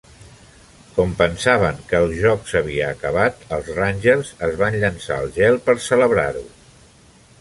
Com pensaven que el joc s'havia acabat, els Rangers es van llençar al gel per celebrar-ho.